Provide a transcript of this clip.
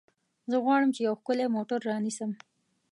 زه غواړم چې یو ښکلی موټر رانیسم.